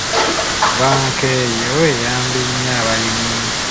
Bbanka eyo eyambye nnyo abalimi.